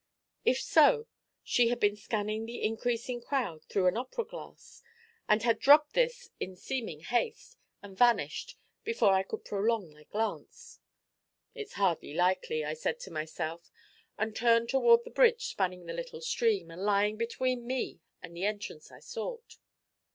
If so, she had been scanning the increasing crowd through an opera glass, and had dropped this in seeming haste, and vanished, before I could prolong my glance. 'It's hardly likely,' I said to myself, and turned toward the bridge spanning the little stream, and lying between me and the entrance I sought.